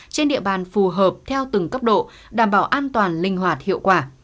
trên địa bàn phù hợp theo từng cấp độ đảm bảo an toàn linh hoạt hiệu quả